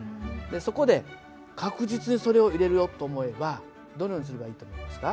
そこで確実にそれを入れるよと思えばどのようにすればいいと思いますか？